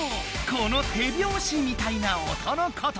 この手拍子みたいな音のこと！